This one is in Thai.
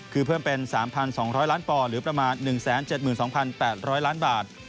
คือเพิ่มเป็น๓๒๐๐ล้านปอหรือประมาณ๑๗๒๘๐๐ล้านบาท